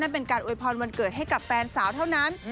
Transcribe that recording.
เป็นการอวยพรวันเกิดให้กับแฟนสาวเท่านั้น